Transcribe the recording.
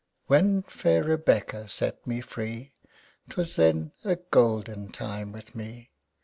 When fair Rebecca set me free, 'Twas then a golden time with me.